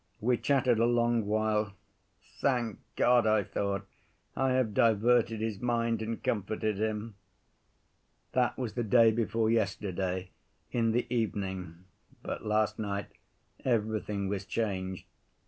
We chattered a long while. Thank God, I thought, I have diverted his mind and comforted him. "That was the day before yesterday, in the evening, but last night everything was changed.